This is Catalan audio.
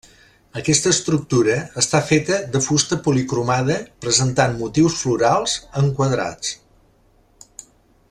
Aquesta estructura està feta de fusta policromada presentant motius florals enquadrats.